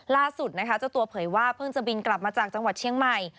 ล่าสุดนะคะเจ้าตัวเผยว่าเพิ่งจะบินกลับมาจากจังหวัดเชียงใหม่